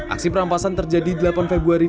aksi perampasan terjadi delapan februari